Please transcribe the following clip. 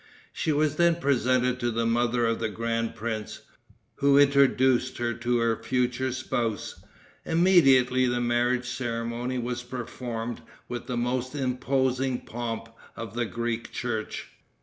She was then presented to the mother of the grand prince, who introduced her to her future spouse. Immediately the marriage ceremony was performed with the most imposing pomp of the Greek church.